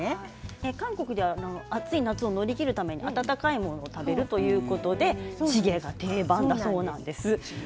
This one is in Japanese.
韓国では暑い夏を乗り切るために温かいものを食べるということでチゲが定番だそうです。